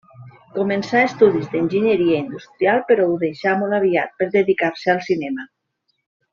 Començà estudis d'enginyeria industrial, però ho deixà molt aviat per dedicar-se al cinema.